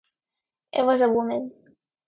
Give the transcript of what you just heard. It was a woman.